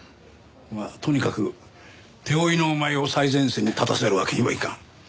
まあとにかく手負いのお前を最前線に立たせるわけにはいかん。